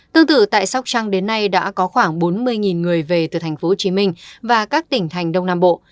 tương tự tại sóc trăng đến nay đã có khoảng bốn mươi người về từ tp hcm và các tỉnh thành đông nam bộ